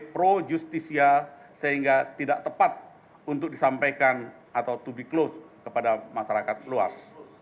pro justisia sehingga tidak tepat untuk disampaikan atau to be close kepada masyarakat luas